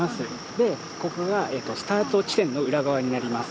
で、ここがスタート地点の裏側になります。